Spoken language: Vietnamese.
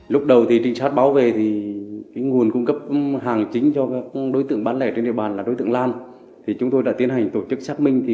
lúc đầu thì trinh sát báo về thì nguồn cung cấp hàng chính cho các đối tượng bán lẻ trên địa bàn là đối tượng lan chúng tôi đã tiến hành tổ chức xác minh